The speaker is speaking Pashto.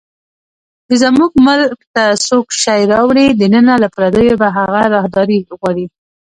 چې زموږ ملک ته څوک شی راوړي دننه، له پردیو به هغه راهداري غواړي